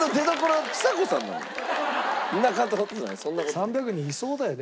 ３００人いそうだよね